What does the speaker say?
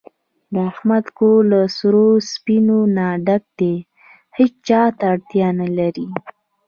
د احمد کور له سرو سپینو نه ډک دی، هېچاته اړتیا نه لري.